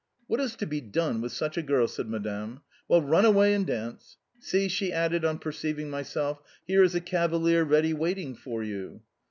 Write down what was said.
"What is to be done with such a girl?" said Madame. "Well, run away and dance. See," she added on perceiving myself, "here is a cavalier ready waiting for you."